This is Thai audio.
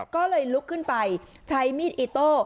ก็เลยลุกขึ้นไปใช้มีดอิโต้